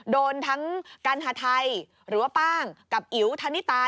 โดนทั้งกัณฑไทยหรือว่าป้างกับอิ๋วธนิตา